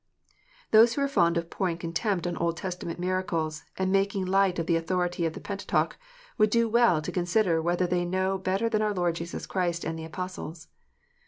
Those who are fond of pouring contempt on Old Testament miracles, and making light of the authority of the Pentateuch, would do well to consider whether they know better than our Lord Jesus Christ and the Apostles.